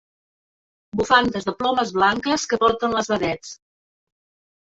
Bufandes de plomes blanques que porten les vedets.